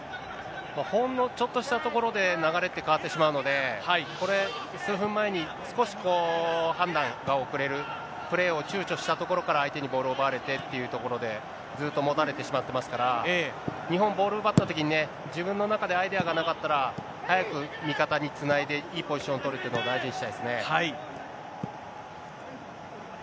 ほんのちょっとしたところで、流れって変わってしまうので、これ、数分前に、少し判断が遅れる、プレーをちゅうちょしたところから相手にボールを奪われてっていうところで、ずっと持たれてしまってますから、日本、ボール奪ったときに自分の中でアイデアがなかったら、早く味方につないで、いいポジションを取るというのを大事にしたいですよね。